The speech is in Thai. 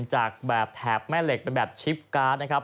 จากแบบแถบแม่เหล็กเป็นแบบชิปการ์ดนะครับ